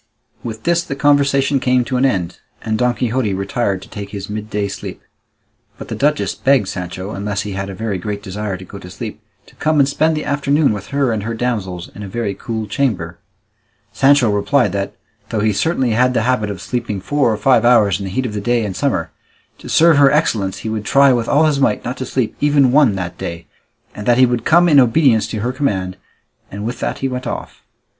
With this, the conversation came to an end, and Don Quixote retired to take his midday sleep; but the duchess begged Sancho, unless he had a very great desire to go to sleep, to come and spend the afternoon with her and her damsels in a very cool chamber. Sancho replied that, though he certainly had the habit of sleeping four or five hours in the heat of the day in summer, to serve her excellence he would try with all his might not to sleep even one that day, and that he would come in obedience to her command, and with that he went off.